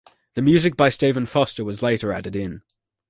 The music by Stephen Foster was later added in.